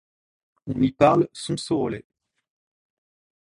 On y parle sonsorolais.